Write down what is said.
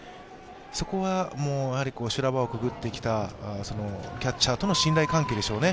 そこは修羅場をくぐってきたキャッチャーとの信頼関係でしょうね。